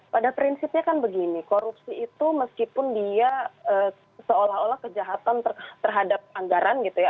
pada prinsipnya kan begini korupsi itu meskipun dia seolah olah kejahatan terhadap anggaran gitu ya